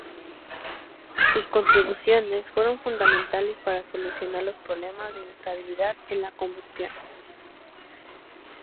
Sus contribuciones fueron fundamentales para solucionar los problema de inestabilidad en la combustión.